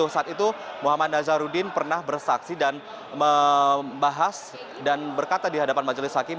saat itu muhammad nazarudin pernah bersaksi dan membahas dan berkata di hadapan majelis hakim